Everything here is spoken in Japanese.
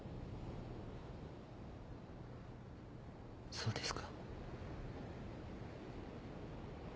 そうですか。